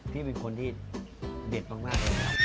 พี่เป็นคนที่เด็ดมาก